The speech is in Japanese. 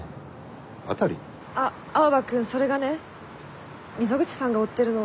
あっ青葉くんそれがね溝口さんが追ってるのは。